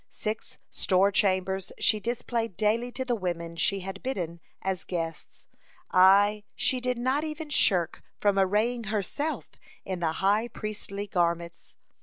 Six store chambers she displayed daily to the women she had bidden as guests; aye, she did not even shrink from arraying herself in the high priestly garments.